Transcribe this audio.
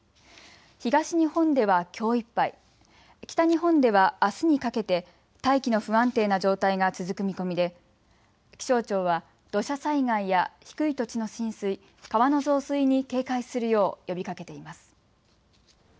東日本ではきょういっぱい、北日本ではあすにかけて大気の不安定な状態が続く見込みで気象庁は土砂災害や低い土地の浸水、川の増水に警戒するよう呼びかけています。